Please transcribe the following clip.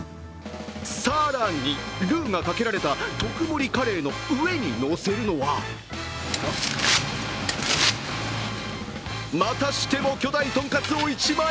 更に、ルーがかけられた特盛カレーの上にのせるのはまたしても巨大とんかつを１枚。